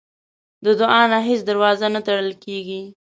د دعا نه هیڅ دروازه نه تړل کېږي.